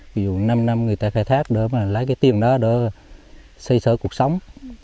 ví dụ năm năm người ta khai thác lấy cái tiền đó xây sở cuộc sống